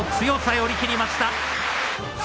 寄り切りました。